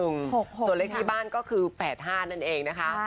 ๘๘๕นั่นเองนะคะ